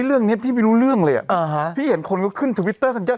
เรื่องนี้พี่ไม่รู้เรื่องเลยอ่ะอ่าฮะพี่เห็นคนก็ขึ้นทวิตเตอร์กันเยอะ